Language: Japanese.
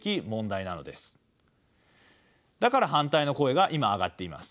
だから反対の声が今上がっています。